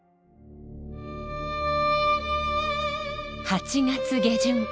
８月下旬。